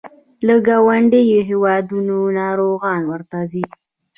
له ګاونډیو هیوادونو ناروغان ورته ځي.